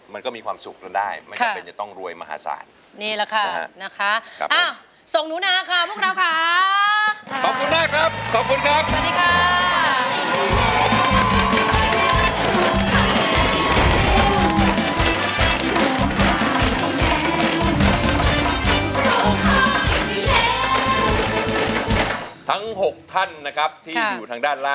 มันก็มีความสุขกันได้ไม่จำเป็นจะต้องรวยมหาศาล